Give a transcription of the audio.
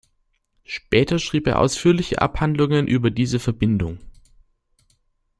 Später schrieb er ausführliche Abhandlungen über diese Verbindung.